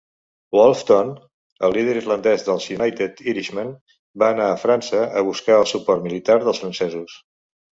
Wolfe Tone, el líder irlandès dels United Irishmen, va anar a França a buscar el suport militar dels francesos.